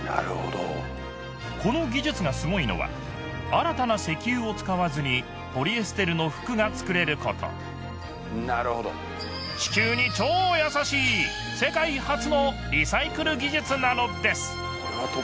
この技術がすごいのは新たな石油を使わずにポリエステルの服が作れること地球に超やさしい世界初のリサイクル技術なのです！